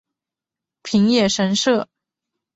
平野神社。